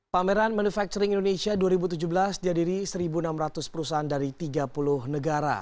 pameran manufacturing indonesia dua ribu tujuh belas dihadiri satu enam ratus perusahaan dari tiga puluh negara